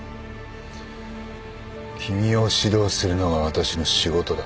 君を指導するのが私の仕事だ。